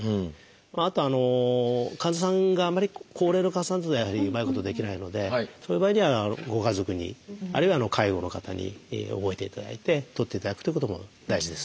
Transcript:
あと患者さんがあんまり高齢の患者さんだとやはりうまいことできないのでそういう場合にはご家族にあるいは介護の方に覚えていただいてとっていただくということも大事です。